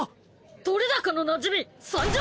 撮れ高のなじみ参上！